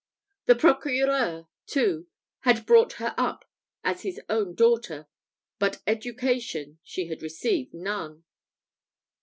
The procureur, too, had brought her up as his own daughter; but education she had received none.